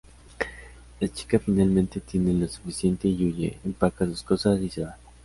La chica finalmente tiene lo suficiente y huye, empaca sus cosas y se va.